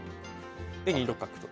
で２六角と。